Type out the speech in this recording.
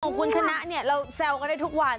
ของคุณชนะเนี่ยเราแซวกันได้ทุกวัน